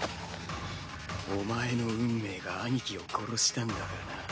お前の運命が兄貴を殺したんだからな。